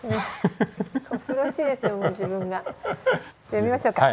読みましょうか。